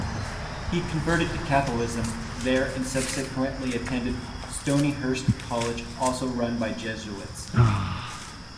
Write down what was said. He converted to Catholicism there and subsequently attended Stonyhurst College, also run by Jesuits.